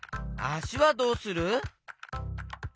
あしはどうする？